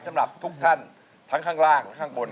สำหรับทุกท่านทั้งข้างล่างข้างบน